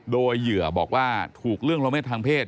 โดยเหยื่อบอกว่าถูกล่วงละเมิดทางเพศ